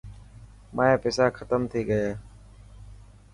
مايا پيسا ختم ٿي گيا.